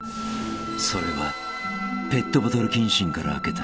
［それはペットボトル謹慎から明けた］